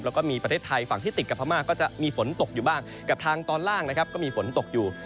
แล้วก็มีประเทศไทยฝั่งที่ติดกับพม่าก็จะมีฝนตกอยู่บ้างกับทางตอนล่างนะครับก็มีฝนตกอยู่